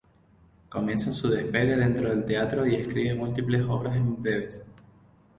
Comienza su despegue dentro del teatro y escribe múltiples obras breves.